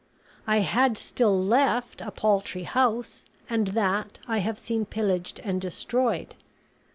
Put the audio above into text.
I had still left a paltry house, and that I have seen pillaged and destroyed.